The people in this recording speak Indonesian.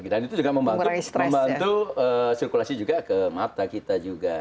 dan itu juga membantu sirkulasi juga ke mata kita juga